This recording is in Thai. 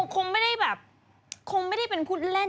คงไม่ได้แบบคงไม่ได้เป็นผู้เล่น